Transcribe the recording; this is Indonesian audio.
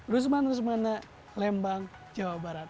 rusman rusmana lembang jawa barat